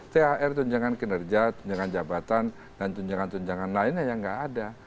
thr tunjangan kinerja tunjangan jabatan dan tunjangan tunjangan lainnya yang nggak ada